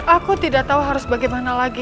aku tidak tahu harus bagaimana lagi